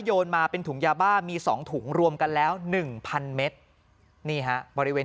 โยนมาเป็นถุงยาบ้ามี๒ถุงรวมกันแล้ว๑๐๐เมตรนี่ฮะบริเวณ